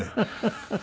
フフフフ。